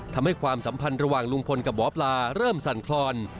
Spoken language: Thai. ความสัมพันธ์ระหว่างลุงพลกับหมอปลาเริ่มสั่นคลอน